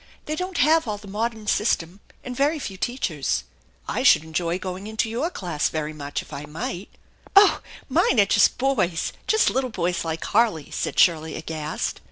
They don't have all the modern system, and very few teachers." THE ENCHANTED BARN 211 " I should enjoy going into your class very much if I might." " Oh, mine are just boys, just little boys like Harley !" said Shirley, aghast.